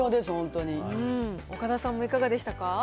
岡田さんもいかがでしたか。